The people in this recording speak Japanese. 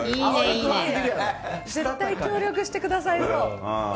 絶対協力してくださりそう。